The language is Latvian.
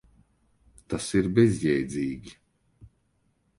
Tas ir bezjēdzīgi.